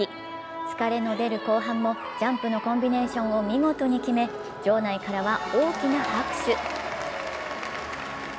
疲れの出る後半もジャンプのコンビネーションを見事に決め場内からは大きな拍手。